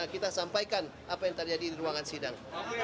kita sampaikan apa yang terjadi di ruangan sidang